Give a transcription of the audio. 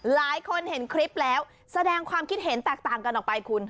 หลายคนเห็นคลิปแล้วแสดงความคิดเห็นแตกต่างกันออกไปคุณ